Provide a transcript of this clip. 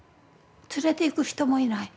連れていく人もいない。